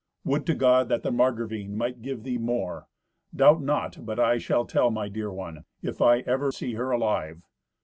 "Would to God that the Margravine might give thee more! Doubt not but I shall tell my dear one, if I ever see her alive."